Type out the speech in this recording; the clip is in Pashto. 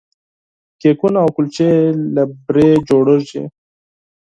کیکونه او کلچې له بوري جوړیږي.